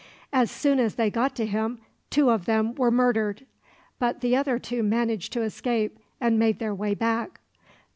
As soon as they got to him two of them were murdered, but the other two managed to escape and made their way back.